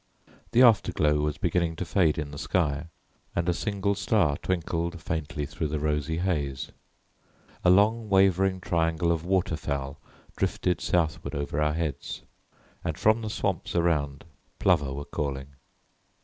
The after glow was beginning to fade in the sky and a single star twinkled faintly through the rosy haze. A long wavering triangle of water fowl drifted southward over our heads, and from the swamps around plover were calling.